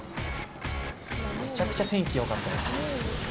めちゃくちゃ天気よかった。